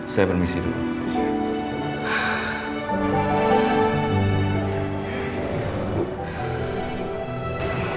saya permisi dulu